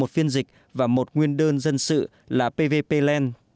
một phiên dịch và một nguyên đơn dân sự là pvp pland